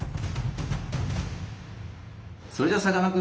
それではさかなクン。